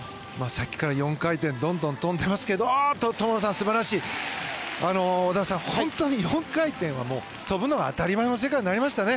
さっきから４回転をどんどん跳んでいますが織田さん、本当に４回転は跳ぶのは当たり前の世界になりましたね。